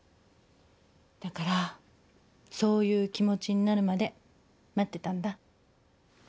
だからそういう気持ちになるまで待ってたんだ。